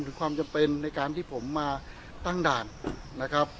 ความจำเป็นในการที่ผมมาตั้งด่านนะครับ